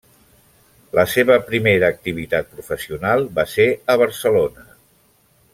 La seva primera activitat professional va ser a Barcelona.